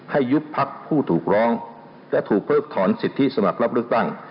ยุบพักผู้ถูกร้องและถูกเพิกถอนสิทธิสมัครรับเลือกตั้ง